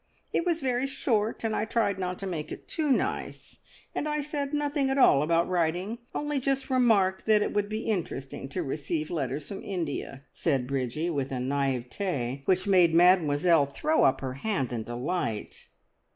It was very short, and I tried not to make it too nice, and I said nothing at all about writing, only just remarked that it would be interesting to receive letters from India," said Bridgie, with a naivete which made Mademoiselle throw up her hands in delight.